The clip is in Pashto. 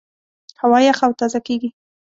هوا یخه او تازه کېږي.